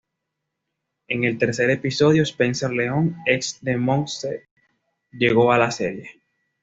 En el tercer episodio Spencer León, ex de Montse llego a la serie.